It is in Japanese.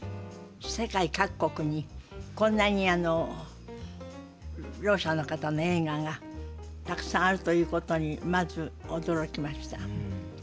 世界各国にこんなにろう者の方の映画がたくさんあるということにまず驚きました。